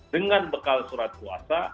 dengan bekal surat kuasa